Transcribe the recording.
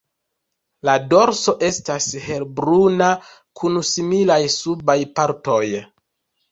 La dorso estas helbruna kun similaj subaj partoj.